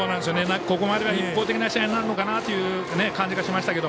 ここまでは一方的な試合になるのかなという感じがしましたけど。